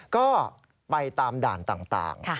ก็ไปตามด่านต่าง